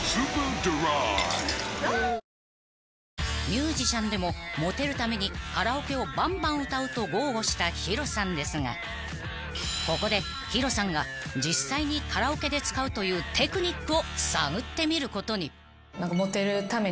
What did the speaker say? ［ミュージシャンでもモテるためにカラオケをバンバン歌うと豪語したＨｉｒｏさんですがここでＨｉｒｏさんが実際にカラオケで使うというテクニックを探ってみることに］